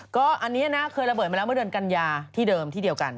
ก็อันนี้นะเคยระเบิดมาแล้วเมื่อเดือนกัญญาที่เดิมที่เดียวกัน